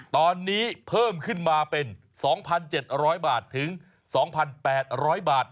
ตอนนี้เพิ่มขึ้นมาเป็น๒๗๐๐บาทถึง๒๘๐๐บาท